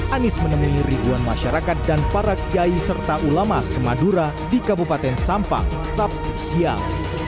anies menemui ribuan masyarakat dan para kiai serta ulama semadura di kabupaten sampang sabtu siang